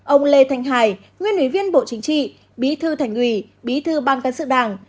ông lê thanh hải nguyên ủy viên bộ chính trị bí thư thành ủy bí thư ban cán sự đảng